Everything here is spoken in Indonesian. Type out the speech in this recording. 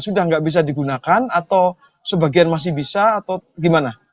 sudah nggak bisa digunakan atau sebagian masih bisa atau gimana